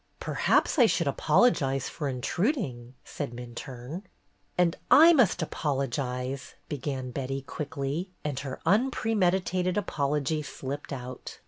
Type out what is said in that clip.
"Perhaps I should apologize for intruding," said Minturne. "And I must apologize," began Betty, quickly, and her unpremeditated apology slipped out.